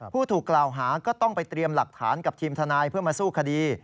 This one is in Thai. ผู้ถูกกล่าวหาก็ต้องไปเตรียมหลักฐานกับทีมทนายเพื่อมาสู้คดี